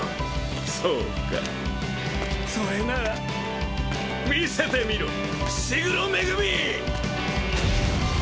そうかそれなら魅せてみろ伏黒恵！